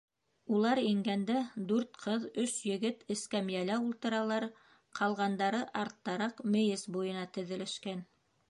Улар ингәндә дүрт ҡыҙ, өс егет эскәмйәлә ултыралар, ҡалғандары арттараҡ, мейес буйына теҙелешкән.